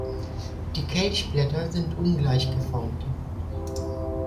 Die Kelchblätter sind ungleich geformt.